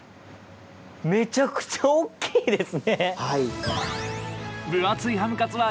めちゃくちゃ大きいですね。